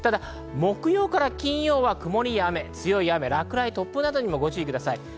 木曜から金曜は曇りや雨、強い雨、落雷や突風にも注意してください。